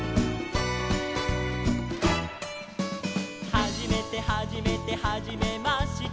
「はじめてはじめてはじめまして」